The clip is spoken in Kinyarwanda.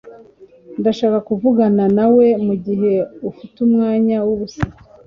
Ndashaka kuvugana nawe mugihe ufite umwanya wubusa